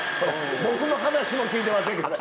僕の話も聞いてませんけどね。